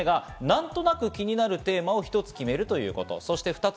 まず１つ目は、なんとなく気になるテーマを一つ決めるということ。